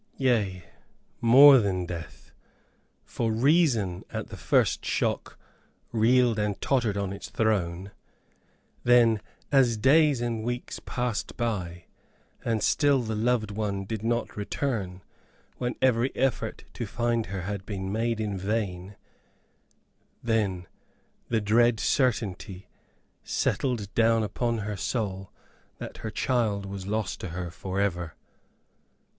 Yea, more than death, for reason, at the first shock, reeled and tottered on its throne; then, as days and weeks passed by, and still the loved one did not return, when every effort to find her had been made in vain, then, the dread certainty settled down upon her soul that her child was lost to her forever.